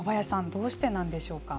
どうしてなんでしょうか。